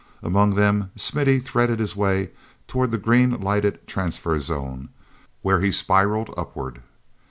Among them Smithy threaded his way toward the green lighted transfer zone, where he spiraled upward.